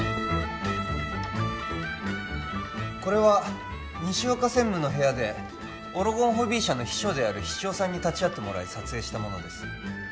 これは西岡専務の部屋でオロゴンホビー社の秘書である菱尾さんに立ち会ってもらい撮影したものです